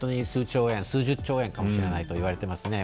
兆円、数十兆円かもしれないと言われていますね。